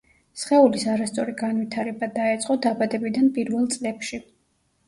სხეულის არასწორი განვითარება დაეწყო დაბადებიდან პირველ წლებში.